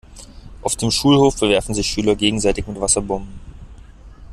Auf dem Schulhof bewerfen sich Schüler gegenseitig mit Wasserbomben.